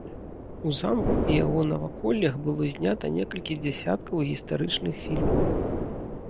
У замку і яго наваколлях было знята некалькі дзясяткаў гістарычных фільмаў.